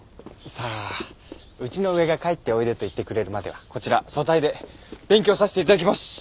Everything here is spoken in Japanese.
さあうちの上が帰っておいでと言ってくれるまではこちら組対で勉強させて頂きます！